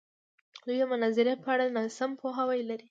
دوی د مناظرې په اړه ناسم پوهاوی لري.